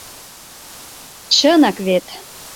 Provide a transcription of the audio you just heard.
— Чынак вет!